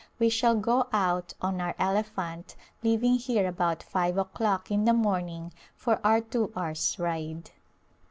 We shall go out on our elephant leaving here about five o'clock in the morning for our two hours' ride.